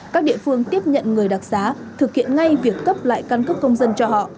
các địa phương tiếp nhận người đặc xá thực hiện ngay việc cấp lại căn cước công dân cho họ